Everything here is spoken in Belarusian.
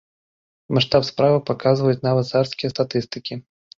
Маштаб справы паказваюць нават царскія статыстыкі.